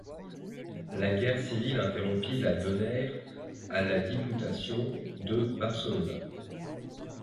La Guerre Civile interrompit la donnèrent à la Diputació de Barcelona.